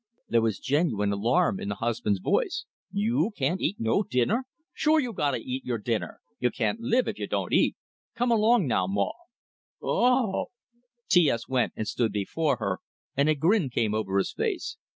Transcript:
There was genuine alarm in the husband's voice. "You can't eat no dinner? Sure you gotta eat your dinner. You can't live if you don't eat. Come along now, Maw." "O o o o o o o o oh!" T S went and stood before her, and a grin came over his face.